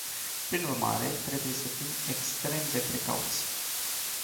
Prin urmare, trebuie să fim extrem de precauți.